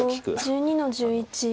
白１２の十一。